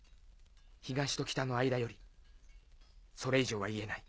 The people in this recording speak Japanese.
東と北の間よりそれ以上は言えない。